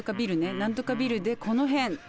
何とかビルでこの辺。